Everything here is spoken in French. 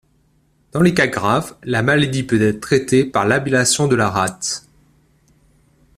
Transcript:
Dans les cas graves, la maladie peut être traitée par l'ablation de la rate.